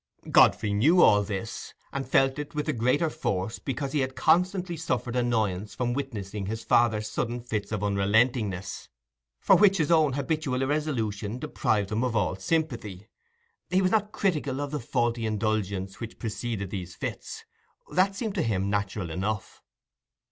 Godfrey knew all this, and felt it with the greater force because he had constantly suffered annoyance from witnessing his father's sudden fits of unrelentingness, for which his own habitual irresolution deprived him of all sympathy. (He was not critical on the faulty indulgence which preceded these fits; that seemed to him natural enough.)